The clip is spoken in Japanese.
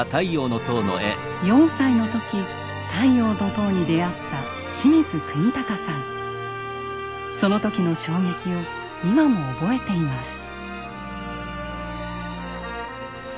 ４歳の時「太陽の塔」に出会ったその時の衝撃を今も覚えています。